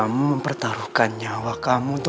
kami sudah menghandalkannya sekat jangkau endnote